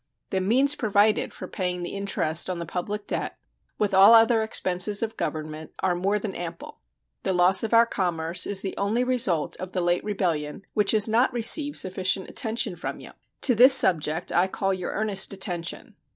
The means provided for paying the interest on the public debt, with all other expenses of Government, are more than ample. The loss of our commerce is the only result of the late rebellion which has not received sufficient attention from you. To this subject I call your earnest attention.